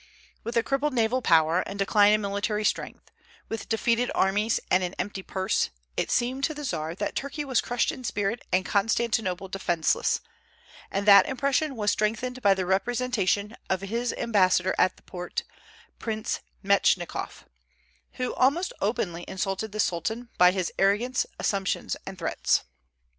With a crippled naval power and decline in military strength, with defeated armies and an empty purse, it seemed to the Czar that Turkey was crushed in spirit and Constantinople defenceless; and that impression was strengthened by the representation of his ambassador at the Porte, Prince Mentchikof, who almost openly insulted the Sultan by his arrogance, assumptions, and threats.